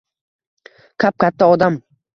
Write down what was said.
Kap-katta odam